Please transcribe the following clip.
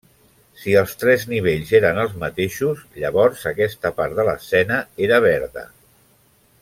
Si els tres nivells eren els mateixos, llavors aquesta part de l'escena era verda.